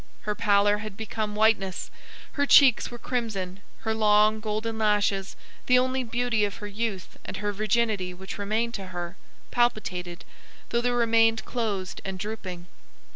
Her pallor had become whiteness; her cheeks were crimson; her long golden lashes, the only beauty of her youth and her virginity which remained to her, palpitated, though they remained closed and drooping.